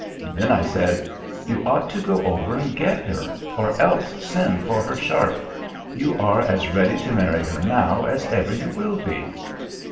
Then I said, 'You ought to go over and get her, or else send for her sharp. You are as ready to marry her now as ever you will be.'